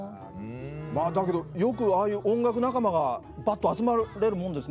だけどよくああいう音楽仲間がばっと集まれるもんですね。